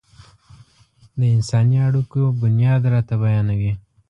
د انساني اړيکو بنياد راته بيانوي.